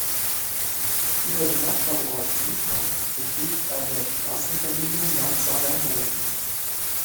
Über den Nachbarort Wippra besteht eine Straßenverbindung nach Sangerhausen.